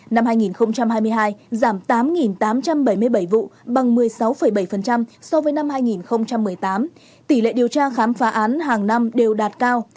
năm hai nghìn hai mươi hai giảm tám tám trăm bảy mươi bảy vụ bằng một mươi sáu bảy so với năm hai nghìn một mươi tám tỷ lệ điều tra khám phá án hàng năm đều đạt cao